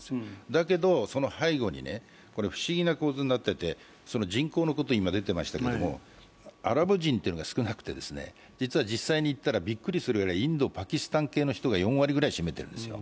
だけどその背後に、これ不思議な構図になっていて人口のことが出ていましたけど、アラブ人というのが少なくて実は実際に行ったらびっくりするくらいインド、パキスタン系の人が４割くらい占めてるんですよ。